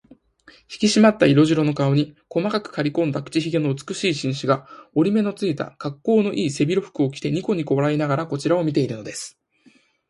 ひきしまった色白の顔に、細くかりこんだ口ひげの美しい紳士が、折り目のついた、かっこうのいい背広服を着て、にこにこ笑いながらこちらを見ているのです。